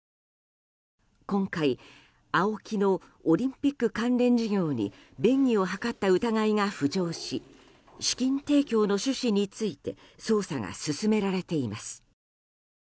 今回、ＡＯＫＩのオリンピック関連事業に便宜を図った疑いが浮上し資金提供の趣旨について捜査が進められています。